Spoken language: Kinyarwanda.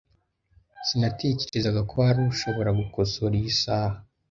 Sinatekerezaga ko hari ushobora gukosora iyi saha.